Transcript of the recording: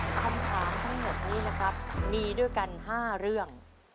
คำถามทั้งหมดนี้นะครับมีด้วยกัน๕เรื่อง